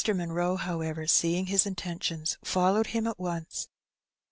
Munroe, however, seeing his intentions, followed him at once.